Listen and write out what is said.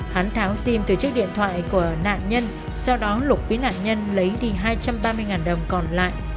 hắn tháo sim từ chiếc điện thoại của nạn nhân sau đó lục với nạn nhân lấy đi hai trăm ba mươi đồng còn lại